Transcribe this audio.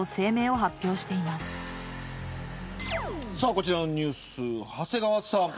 こちらのニュース長谷川さん。